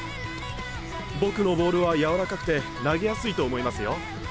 僕のボールは柔らかくて投げやすいと思いますよ。